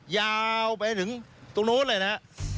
ยาวไปถึงตรงนู้นเลยนะฮะ